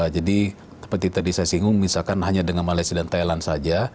jadi seperti tadi saya singgung misalkan hanya dengan malaysia dan thailand saja